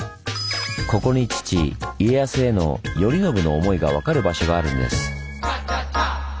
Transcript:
ここに父家康への頼宣の思いが分かる場所があるんです。